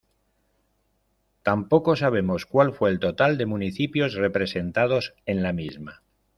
Tampoco sabemos cuál fue el total de municipios representados en la misma.